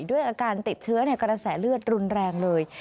ด้วยอาการติดเชื้อในกระแสเลือดรุนแรงเลย